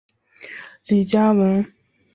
李嘉文。